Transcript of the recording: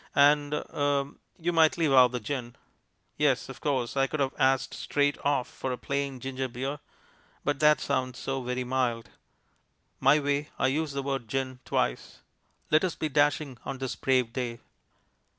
And er you might leave out the gin." Yes, of course, I could have asked straight off for a plain ginger beer, but that sounds so very mild. My way I use the word "gin" twice. Let us be dashing on this brave day.